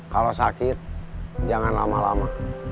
kalau sakit jangan lama lama